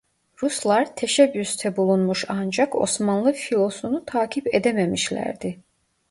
Ruslar teşebbüste bulunmuş ancak Osmanlı filosunu takip edememişlerdi.